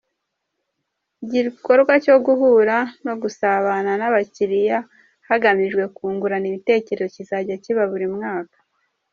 Igikorwa cyo guhura no gusabana n’abakiliya hagamijwe kungurana ibitekerezo kizajya kiba buri mwaka.